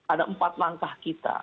ada empat langkah kita